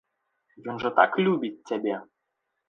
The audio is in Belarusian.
Ён жа так любіць цябе.